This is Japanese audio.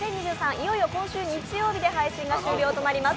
いよいよ今週日曜日で配信が終了となります。